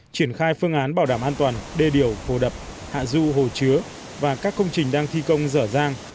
triển khai phương án bảo đảm an toàn đê điều hồ đập hạ du hồ chứa và các công trình đang thi công dở dang